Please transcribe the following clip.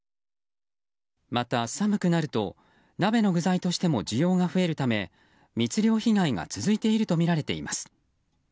また寒くなると鍋の具材としても需要が増えるため密漁被害が続いているとみられています。